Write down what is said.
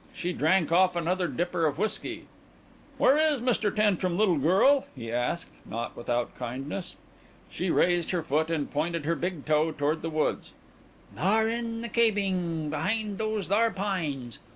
She drank off another dipper of whiskey. "Where is Mr. Tantrum, little girl?" he asked, not without kindness. She raised her foot and pointed her big toe toward the woods. "Thar in the cabing behind those thar pines.